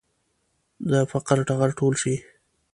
د فقر ټغر ټول شي.